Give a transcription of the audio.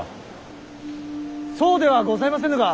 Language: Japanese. そうではございませぬが。